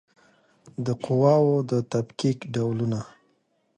د قواوو د تفکیک ډولونه